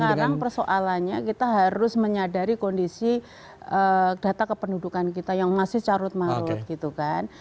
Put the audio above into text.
sekarang persoalannya kita harus menyadari kondisi data kependudukan kita yang masih carut marut gitu kan